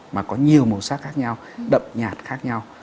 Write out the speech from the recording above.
mà có nhiều màu sắc khác nhau đậm nhạt khác nhau